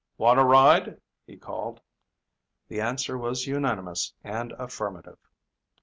"Want to ride?" he called. The answer was unanimous and affirmative.